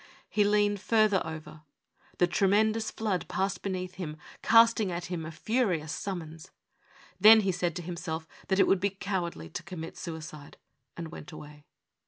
He leaned further over ; the tremendous flood passed beneath him, casting at him a furious summons. Then he said to himself that it would be cowardly to commit suicide and went away.